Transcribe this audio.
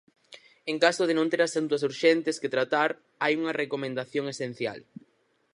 En caso de non ter asuntos urxentes que tratar, hai unha recomendación esencial.